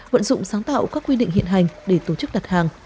vận dụng sáng tạo các quy định hiện hành để tổ chức đặt hàng